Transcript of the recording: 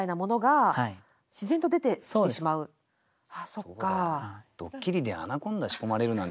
そっか。